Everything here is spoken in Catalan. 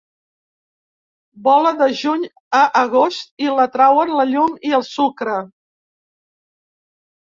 Vola de juny a agost i l'atrauen la llum i el sucre.